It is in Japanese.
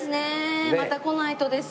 また来ないとです